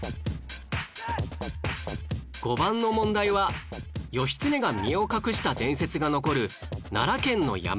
５番の問題は義経が身を隠した伝説が残る奈良県の山